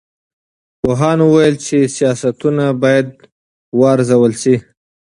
پوهانو وویل چې سیاستونه باید وارزول سي.